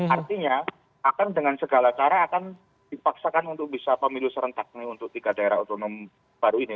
artinya akan dengan segala cara akan dipaksakan untuk bisa pemilu serentak nih untuk tiga daerah otonom baru ini